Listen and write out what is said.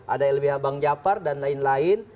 ada lbh bang japar dan lain lain